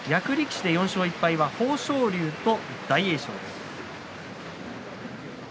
役力士で４勝１敗は豊昇龍と大栄翔です。